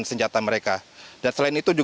senjata mereka dan selain itu